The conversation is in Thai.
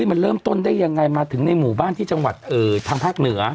มันเริ่มต้นได้ยังไงมาถึงในหมู่บ้านที่จังหวัดทางภาคเหนือ